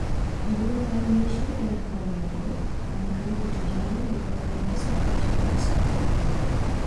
Ibu negara Malaysia ialah Kuala Lumpur, manakala Putrajaya merupakan pusat kerajaan persekutuan.